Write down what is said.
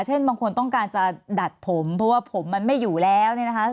เช่นบางคนต้องการจะดัดผมเพราะว่าผมมันไม่อยู่แล้ว